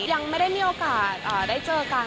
ยังไม่ได้มีโอกาสได้เจอกัน